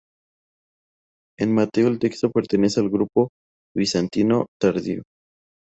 En Mateo el texto pertenece al grupo bizantino tardío.